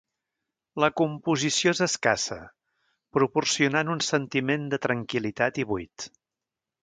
La composició és escassa, proporcionant un sentiment de tranquil·litat i buit.